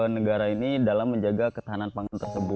negara ini dalam menjaga ketahanan pangan tersebut